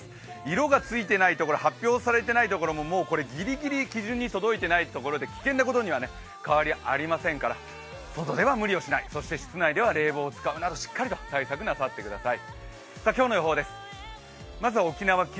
色がついてないところ、発表されていないところも、ギリギリ基準に届いてないところで危険なことに変わりはありませんから外では無理をしない、室内では冷房を使うなどしっかりと対策なさってください。